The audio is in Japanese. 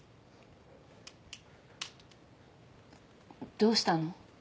どうしたの？